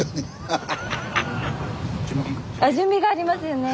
あ準備がありますよね。